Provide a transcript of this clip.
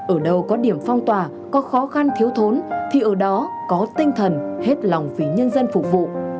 ở đâu có điểm phong tỏa có khó khăn thiếu thốn thì ở đó có tinh thần hết lòng vì nhân dân phục vụ